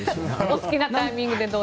お好きなタイミングでどうぞ。